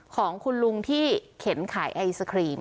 ของคุณลุงที่เข็นขายไอศครีม